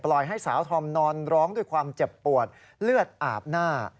ให้สาวธอมนอนร้องด้วยความเจ็บปวดเลือดอาบหน้า